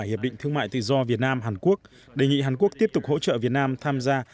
hiệp định thương mại tự do việt nam hàn quốc đề nghị hàn quốc tiếp tục hỗ trợ việt nam tham gia